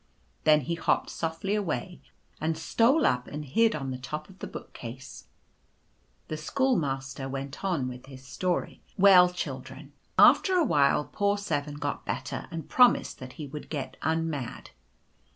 Then he hopped softly away, and stole up and hid on the top of the book case. The Schoolmaster went on with his story. " Well, children, after a while poor 7 got better and promised that he would get unmad.